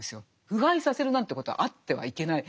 腐敗させるなんていうことはあってはいけない。